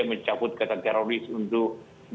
mencabut kata teroris untuk